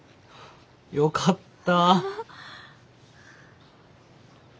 よかった。